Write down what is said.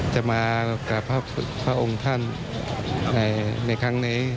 จะมากราบพระองค์ท่านในครั้งนี้